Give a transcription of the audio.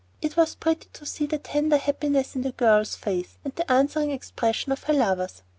It was pretty to see the tender happiness in the girl's face, and the answering expression of her lover's.